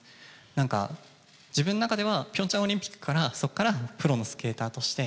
なんか、自分の中では、ピョンチャンオリンピックからそこからプロのスケーターとして、